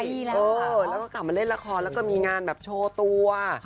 เนี่ยกลับมาเล่นละครมีงานโชว์ตัว